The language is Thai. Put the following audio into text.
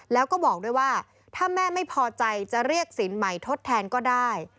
แล้วก็บอกด้วยว่าถ้าแม่ไม่พอใจจะเรียกสินใหม่ทดแทนก็ได้